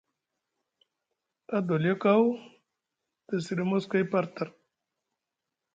Adoliyo kaw te siɗi moskoy par tar.